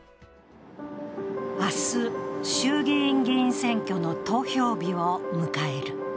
明日、衆議院議員選挙の投票日を迎える。